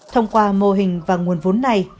thông qua mô hình và nguồn vốn này